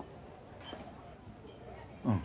うん。